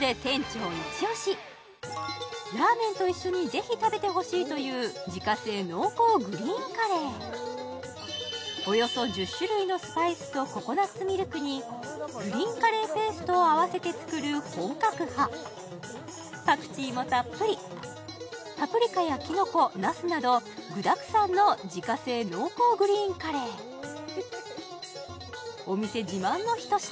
ラーメンと一緒にぜひ食べてほしいというおよそ１０種類のスパイスとココナッツミルクにグリーンカレーペーストを合わせて作る本格派パクチーもたっぷりパプリカやキノコナスなど具だくさんの自家製濃厚グリーンカレーお店自慢の一品